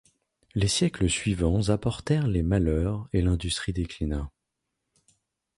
Les siècles suivants apportèrent les malheurs et l'industrie déclina.